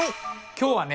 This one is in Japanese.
今日はね